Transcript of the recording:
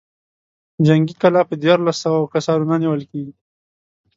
جنګي کلا په ديارلسو سوو کسانو نه نېول کېږي.